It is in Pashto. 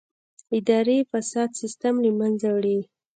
اداري فساد سیستم له منځه وړي.